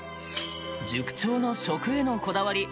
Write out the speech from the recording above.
塾長の食へのこだわり。